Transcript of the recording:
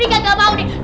ini enggak mau nih